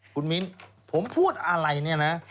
คุณมิ้นผมพูดอะไรเนี่ยนะ